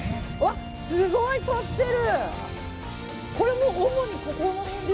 すごいとってる！